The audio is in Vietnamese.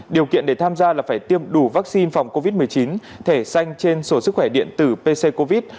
điều kiện để tham gia là phải tiêm đủ vaccine phòng covid một mươi chín thẻ xanh trên sổ sức khỏe điện tử pc covid